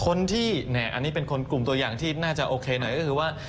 คนที่อันนี้เป็นคนกลุ่มตัวอย่างที่น่าจะโอเคหน่อยก็คือว่า